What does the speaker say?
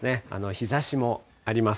日ざしもあります。